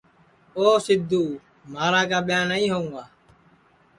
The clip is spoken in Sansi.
او سیدھو مھارا کیا ٻیاں نائی ہوئں گا